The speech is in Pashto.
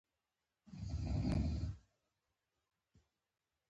په څلورو ورځو کې برابر کړل.